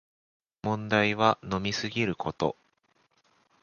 問題は飲みすぎること